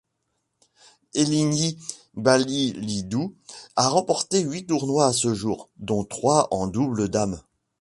Eléni Daniilídou a remporté huit tournois à ce jour, dont trois en double dames.